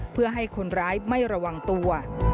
เพื่อให้คนร้ายไม่ระวังตัว